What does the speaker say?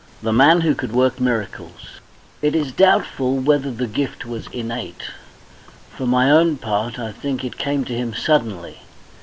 THE MAN WHO COULD WORK MIRACLES. A PANTOUM IN PROSE. It is doubtful whether the gift was innate. For my own part, I think it came to him suddenly.